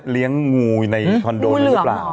เลี้ยงงูในคอนโดนหรือเปล่า